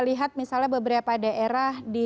lihat misalnya beberapa daerah di